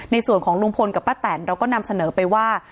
ในส่วนของลุงพลกับป้าแตนเราก็นำเสนอไปว่า